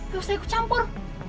lo selalu ikut campur